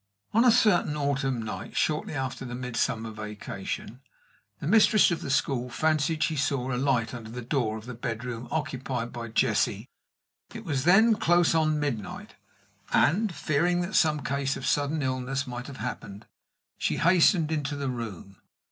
On a certain autumn night shortly after the Midsummer vacation, the mistress of the school fancied she saw a light under the door of the bedroom occupied by Jessie and three other girls. It was then close on midnight; and, fearing that some case of sudden illness might have happened, she hastened into the room.